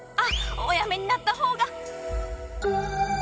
おやめになったほうが！